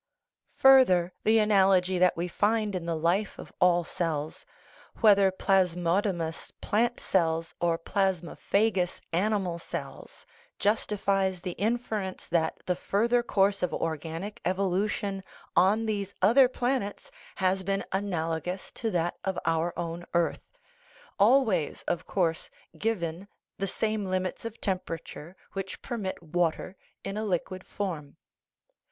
Further, 369 THE RIDDLE OF THE UNIVERSE the analogy that we find in the life of all cells whether plasmodomous plant cells or plasmophagous animal cells justifies the inference that the further course of organic evolution on these other planets has been analogous to that of our own earth always, of course, given the same limits of temperature which permit water in a liquid form.